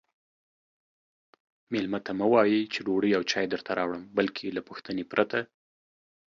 میلمه ته مه وایئ چې ډوډۍ او چای درته راوړم بلکې له پوښتنې پرته